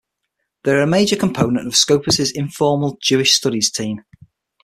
They are a major component of Scopus' informal Jewish Studies team.